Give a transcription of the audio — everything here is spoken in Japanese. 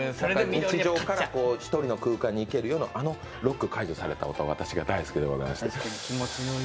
日常から１人の空間にいける間の、あのロックが開く音が私が大好きでございまして。